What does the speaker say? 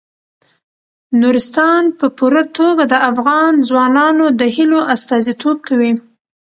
نورستان په پوره توګه د افغان ځوانانو د هیلو استازیتوب کوي.